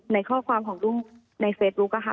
ในข้อความของลูกในเฟซบุ๊กอะค่ะ